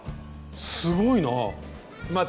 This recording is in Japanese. すごいなぁ。